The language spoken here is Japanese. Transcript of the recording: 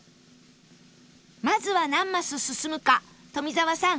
まずは何マス進むか富澤さん